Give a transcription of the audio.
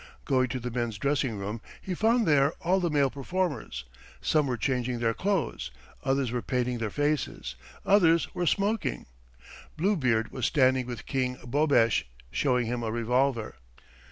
Going to the men's dressing room, he found there all the male performers. Some were changing their clothes, others were painting their faces, others were smoking. Bluebeard was standing with King Bobesh, showing him a revolver.